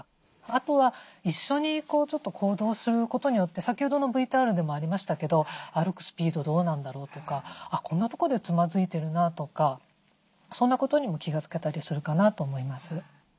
あとは一緒に行動することによって先ほどのＶＴＲでもありましたけど歩くスピードどうなんだろうとかこんなとこでつまずいてるなとかそんなことにも気が付けたりするかなと思います。